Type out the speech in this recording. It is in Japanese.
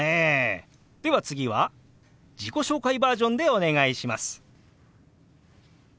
では次は自己紹介バージョンでお願いします。